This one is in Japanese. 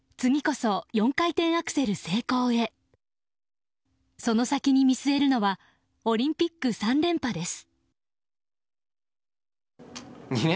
その先に見据えるのはオリンピック３連覇です。